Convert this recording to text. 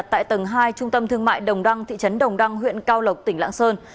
tại tầng hai trung tâm thương mại đồng đăng thị trấn đồng đăng huyện cao lộc tỉnh lạng sơn